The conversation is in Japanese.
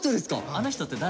「あの人」って誰？